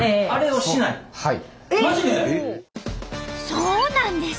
そうなんです。